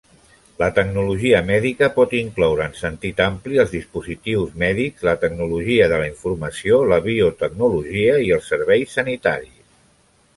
La tecnologia mèdica pot incloure en sentit ampli els dispositius mèdics, la tecnologia de la informació, la biotecnologia i els serveis sanitaris.